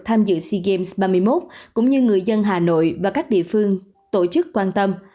tham dự sea games ba mươi một cũng như người dân hà nội và các địa phương tổ chức quan tâm